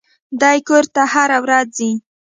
دى کور ته هره ورځ ځي.